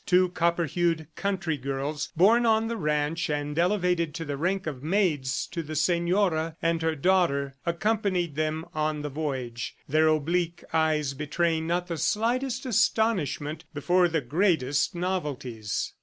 Two copper hued country girls, born on the ranch and elevated to the rank of maids to the senora and her daughter, accompanied them on the voyage, their oblique eyes betraying not the slightest astonishment before the greatest novelties.